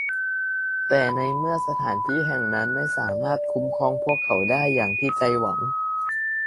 แต่ในเมื่อสถานที่แห่งนั้นไม่สามารถคุ้มครองพวกเขาได้อย่างที่ใจหวัง